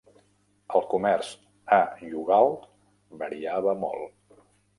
El comerç a Youghal variava molt.